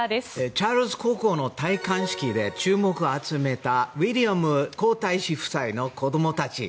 チャールズ国王の戴冠式で注目を集めたウィリアム皇太子夫妻の子供たち。